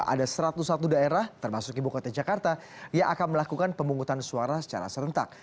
ada satu ratus satu daerah termasuk ibu kota jakarta yang akan melakukan pemungutan suara secara serentak